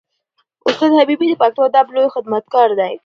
استاد حبیبي د پښتو ادب لوی خدمتګار دی.